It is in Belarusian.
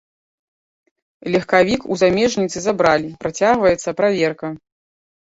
Легкавік у замежніцы забралі, працягваецца праверка.